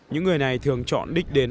những người này thường chọn đích định